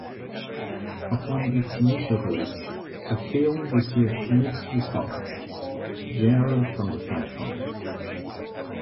Upon its initial release, the film received mixed responses, generally from the fan community.